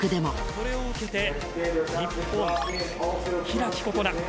これを受けて日本開心那。